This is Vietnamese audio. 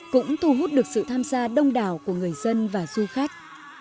cũng thu hút được sự tham gia đông đảo của người dân và du khách